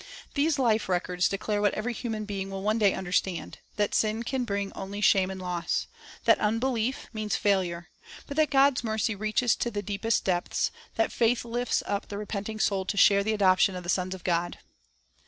These life records declare what every human being will one day understand, — that sin can bring only shame and loss; that unbelief means failure; but that God's mercy reaches to the deepest depths; that faith lifts up the repenting soul to share the adoption of the sons of God.